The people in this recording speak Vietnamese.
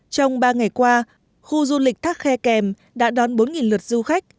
trong ba ngày qua khu du lịch thác khe kèm đã đón bốn lượt du khách